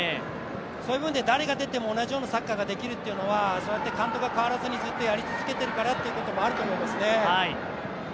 そういう意味で誰が出ても同じようなサッカーができるというのは、監督が変わらずにずっとやり続けているからということもあると思うんですね。